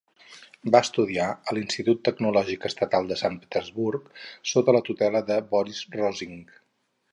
Va estudiar a l'Institut Tecnològic Estatal de Sant Petersburg, sota la tutela de Boris Rosing.